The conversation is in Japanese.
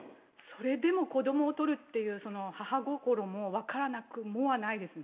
それでも子どもを取るっていう、母心も分からなくもないですね。